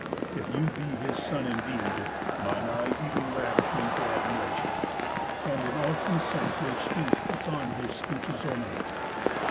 If you be His son indeed, mine eyes ev'n ravish me To admiration. And in all consent Your speech puts on his speech's ornament.